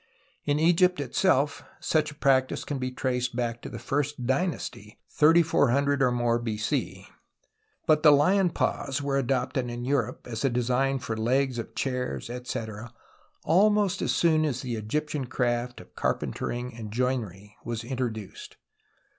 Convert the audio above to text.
In Egypt itself such a practice can be traced back to the first dynasty 3400 or more B.C. But the lion paws were adopted in Europe as a design for legs of chairs, etc. almost as soon as the Egyptian craft of carpentering and joinery was introduced.